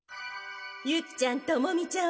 ユキちゃんトモミちゃん